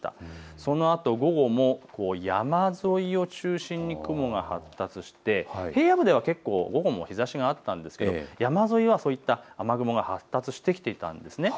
そのあと午後も、山沿いを中心に雲が発達して平野部では結構、午後も日ざしがあったんですが山沿いは雨雲が発達してきていたんですね。